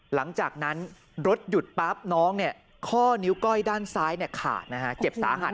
หลังจากนั้นรถหยุดปั๊บน้องข้อนิ้วก้อยด้านซ้ายขาดนะฮะเจ็บสาหัส